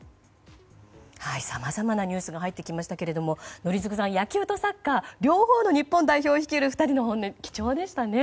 さまざまなニュースが入ってきましたけども宜嗣さん、野球とサッカー両方の日本代表を率いる２人の本音、貴重でしたね。